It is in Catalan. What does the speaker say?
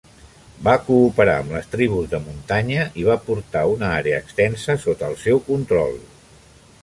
Va cooperar amb les tribus de muntanya i va portar una àrea extensa sota el seu control.